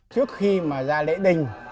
trước khi mà ra lễ đình